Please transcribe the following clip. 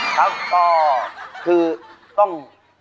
ครับต้อง